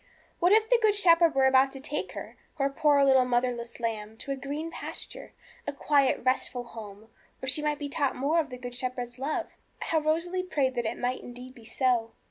What if the Good Shepherd were about to take her, His poor little motherless lamb, to a green pasture, a quiet, restful home, where she might be taught more of the Good Shepherd's love? How Rosalie prayed that it might indeed be so!